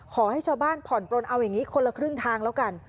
ขอให้ชาวบ้านผ่อนปลนเอาอย่างนี้คนละครึ่งทางแล้วกัน